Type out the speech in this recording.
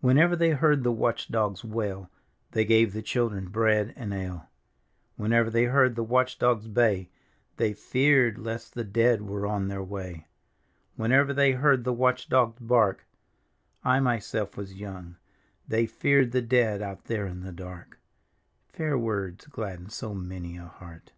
Whenever they heard the watch dogs wail, They gave the children bread and ale. Whenever they heard the watch dogs bay, Thy feared lest the dead were on their way. Whenever they heard the watch d(^ bark, / myself vas young. They feared the dead out there in tfic dark. Fair words gladden so many a heart.